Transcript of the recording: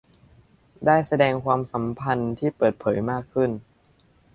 ได้แสดงความสัมพันธ์ที่เปิดเผยมากขึ้น